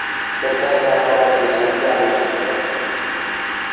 Pertence á Parroquia de Santiago en San Francisco.